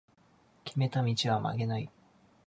決めた道は曲げない